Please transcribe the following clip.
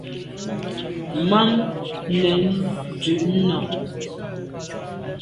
Màa nèn ndù’ nà.